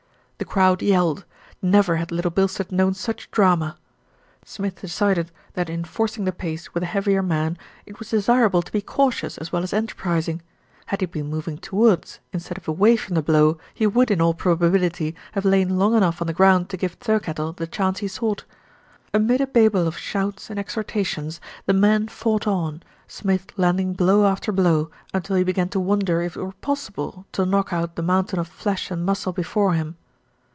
The crowd yelled. Never had Little Bilstead known such drama. Smith decided that in forcing the pace with a heavier man, it was desirable to be cautious as well as enter prising. Had he been moving towards, instead of away from the blow, he would, in all probability, have lain long enough on the ground to give Thirkettle the chance he sought. Amid a babel of shouts and exhortations, the men fought on, Smith landing blow after blow until he be gan to wonder if it were possible to knock out the mountain of flesh and muscle before him.